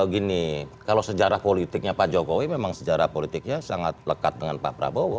gini kalau sejarah politiknya pak jokowi memang sejarah politiknya sangat lekat dengan pak prabowo